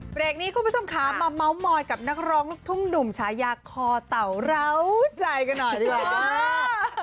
เวลานี้คุณผู้ชมค่ะมาเม้าท์มอยด์กับนักร้องทุ่มดุ่มชายาคอเต่าร้าวใจกันหน่อยดีกว่า